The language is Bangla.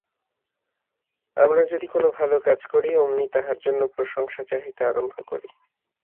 আমরা যদি কোন ভাল কাজ করি, অমনি তাহার জন্য প্রশংসা চাহিতে আরম্ভ করি।